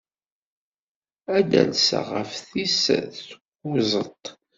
Ad d-alseɣ ɣef tis kuẓet.